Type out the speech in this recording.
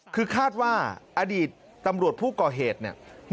คือคาดว่าอดีตตำรวจผู้ก่อเหตุเนี่ย